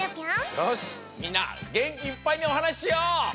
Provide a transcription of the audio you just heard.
よしみんなげんきいっぱいにおはなししよう！